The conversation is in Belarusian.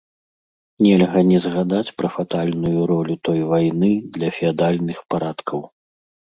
Нельга не згадаць пра фатальную ролю той вайны для феадальных парадкаў.